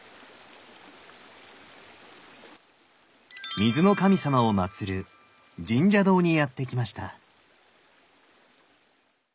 水の神様をまつる深沙堂にやって来ました。